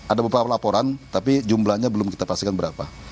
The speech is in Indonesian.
ada beberapa laporan tapi jumlahnya belum kita pastikan berapa